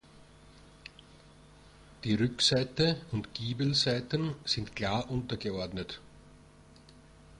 Die Rückseite und Giebelseiten sind klar untergeordnet.